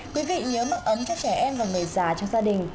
quý vị nhớ mức ấm cho trẻ em và người già trong gia đình